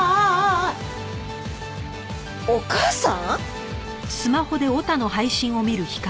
お義母さん？